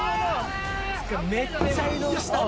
めっちゃ移動したわ。